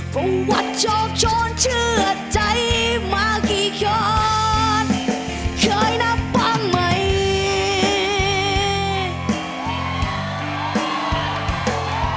เพราะวัดโชคโชนเชื่อใจมากี่กรอดเคยนับปะไหม